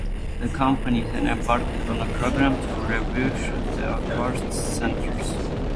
The company then embarked on a program to refurbish the acquired centres.